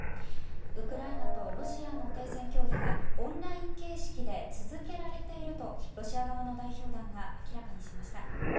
ウクライナとロシアの停戦協議がオンライン形式で続けられているとロシア側の代表団が明らかにしました。